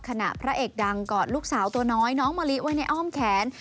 พระเอกดังกอดลูกสาวตัวน้อยน้องมะลิไว้ในอ้อมแขน